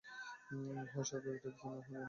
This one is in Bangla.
হয় সরকারকে ট্যাক্স দাও না হয় আমাকে।